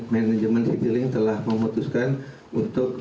manajemen citylink telah memutuskan untuk